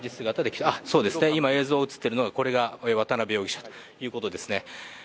今、映像映っているのが渡辺容疑者ということですね。